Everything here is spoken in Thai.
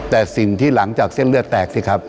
แต่สิ่งที่หลังจากเส้นเลือดแตกสิครับ